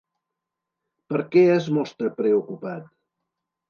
Per què es mostra preocupat?